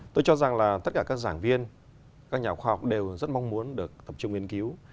tôi cho rằng là tất cả các giảng viên các nhà khoa học đều rất mong muốn được tập trung nghiên cứu